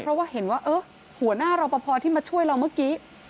เพราะว่าเห็นว่าหัวหน้ารอปภที่มาช่วยเราเมื่อกี้